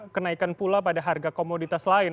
kenaikan pula pada harga komoditas lain